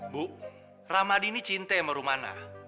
bu ramadi ini cinta sama rumana